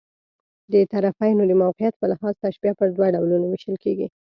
د طرفَینو د موقعیت په لحاظ، تشبیه پر دوه ډولونو وېشل کېږي.